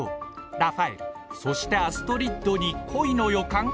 ラファエルそしてアストリッドに恋の予感？